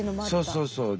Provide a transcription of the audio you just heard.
そうそうそう。